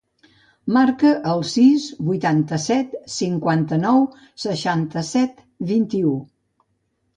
Marca el sis, vuitanta-set, cinquanta-nou, seixanta-set, vint-i-vuit.